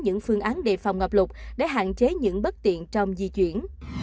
những phương án để phòng ngập lụt để hạn chế những bất tiện trong di chuyển